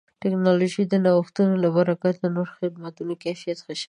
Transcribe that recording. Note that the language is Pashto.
د ټکنالوژۍ د نوښتونو له برکته د نوو خدماتو کیفیت ښه شوی دی.